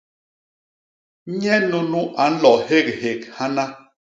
Nye nunu a nlo héghék hana!